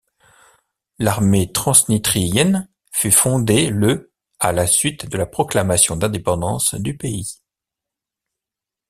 L'armée transnistrienne fut fondée le à la suite de la proclamation d'indépendance du pays.